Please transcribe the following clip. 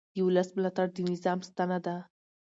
د ولس ملاتړ د نظام ستنه ده